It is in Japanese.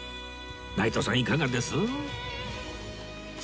内藤さんいかがです？